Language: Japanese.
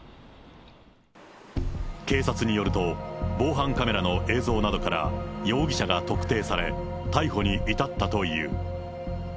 警察によると、防犯カメラの映像などから容疑者が特定され、逮捕に至ったという。